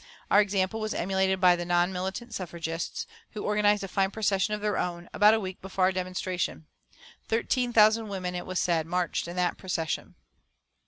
Our example was emulated by the non militant suffragists, who organised a fine procession of their own, about a week before our demonstration. Thirteen thousand women, it was said, marched in that procession.